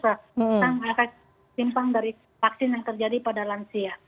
tentang efek simpang dari vaksin yang terjadi pada lansia